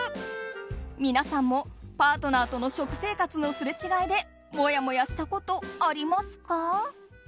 皆さんもパートナーとの食生活のすれ違いでもやもやしたことありますか？